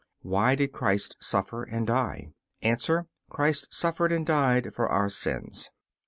Why did Christ suffer and die? A. Christ suffered and died for our sins.